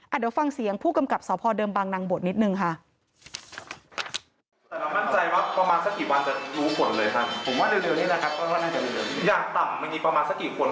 อ่ะเดี๋ยวฟังเสียงผู้กำกับสอบภอด์เดิมบางนางบทนิดหนึ่งค่ะ